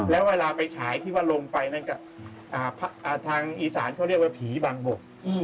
แล้วเวลาไปฉายที่ว่าลงไปนั่นก็ทางอีสานเขาเรียกว่าผีบางบก